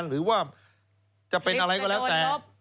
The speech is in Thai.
หรือว่าจะเป็นอะไรก็แล้วแต่